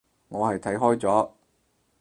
我係睇開咗